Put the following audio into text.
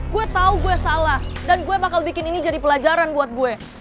gue tau gue salah dan gue bakal bikin ini jadi pelajaran buat gue